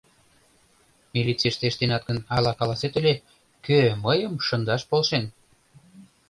— Милицийыште ыштенат гын, ала каласет ыле: кӧ мыйым шындаш полшен?